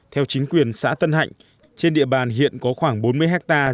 theo chính quyền xã tân hạnh trên địa bàn hiện có khoảng bốn mươi hectare